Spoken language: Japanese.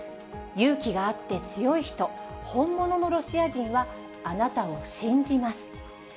勇気があって強い人、本物のロシア人はあなたを信じます。